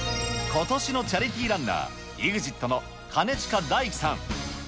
ことしのチャリティーランナー、ＥＸＩＴの兼近大樹さん。